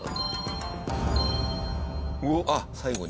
えっ？あっ最後に。